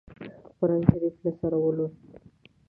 قرآن شریف له سره ولووست.